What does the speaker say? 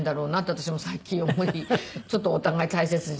私も最近思いちょっとお互い大切にしなくちゃ。